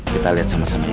kita lihat sama sama ya